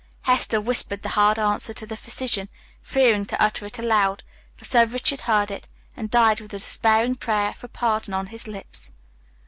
Hester whispered the hard answer to the physician, fearing to utter it aloud, but Sir Richard heard it, and died with a despairing prayer for pardon on his lips.